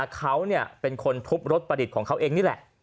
เขาเป็นคนทุบรถประดิษฐ์ของเขาเองนี่แหละ